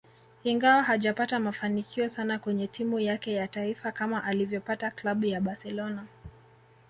Ingawa hajapata mafanikio sana kwenye timu yake ya taifa kama alivyopata Klabu ya Barcelona